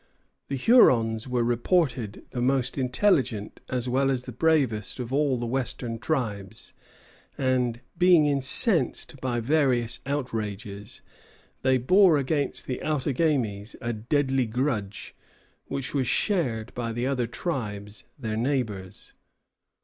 The Hurons were reputed the most intelligent as well as the bravest of all the western tribes, and, being incensed by various outrages, they bore against the Outagamies a deadly grudge, which was shared by the other tribes, their neighbors.